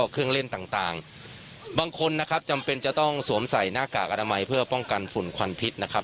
คุณนะครับจำเป็นจะต้องสวมใส่หน้ากากอนามัยเพื่อป้องกันฝุ่นควันพิษนะครับ